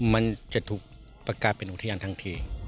มันจะถูกประกาศเป็นอุทยานทันที